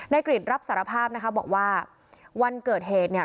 กริจรับสารภาพนะคะบอกว่าวันเกิดเหตุเนี่ย